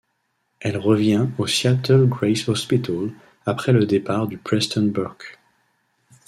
Elle revient au Seattle Grace Hospital après le départ du Preston Burke.